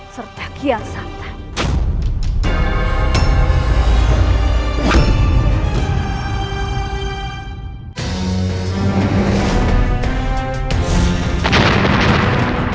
serta kian santan